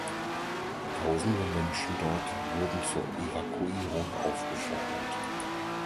Tausende Menschen dort wurden zur Evakuierung aufgefordert.